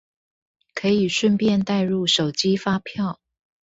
可以順便帶入手機發票